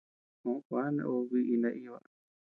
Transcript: Koʼö kua naobe biʼi naíba.